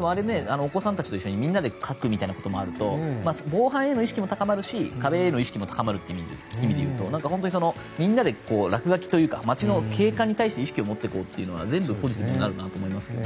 お子さんたちと一緒にみんなで書くみたいなこともあると防犯への意識も高まるし壁への意識も高まるということで言うと本当にみんなで落書きというか街の景観に対して意識を持っていこうというのは全部ポジティブになるなと思うんですが。